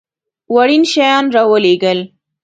وړین شیان را ولېږل.